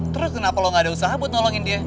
terus kenapa lo gak ada usaha buat nolongin dia